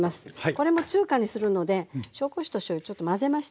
これも中華にするので紹興酒としょうゆちょっと混ぜましてね